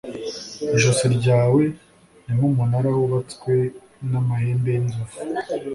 ijosi ryawe ni nk'umunara wubatswe n'amahembe y'inzovu